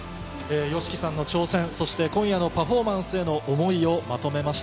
ＹＯＳＨＩＫＩさんの挑戦、そして今夜のパフォーマンスへの思いをまとめました。